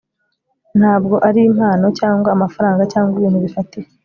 ntabwo ari impano cyangwa amafaranga cyangwa ibintu bifatika